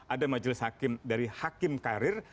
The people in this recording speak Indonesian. ada majelis hakim dari hakim karir